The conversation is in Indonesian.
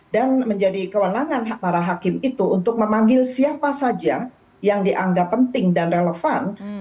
dan menjadi kewenangan para hakim itu untuk memanggil siapa saja yang dianggap penting dan relevan